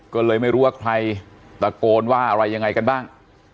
ก็เลยไม่รู้ว่าใครตะโกนว่าอะไรยังไงกันบ้าง